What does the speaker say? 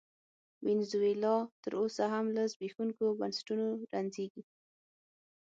وینزویلا تر اوسه هم له زبېښونکو بنسټونو رنځېږي.